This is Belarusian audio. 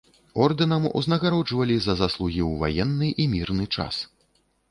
Ордэнам узнагароджвалі за заслугі ў ваенны і мірны час.